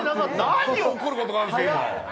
何を怒ることがあるんですか、今。